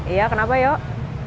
iya kenapa yuk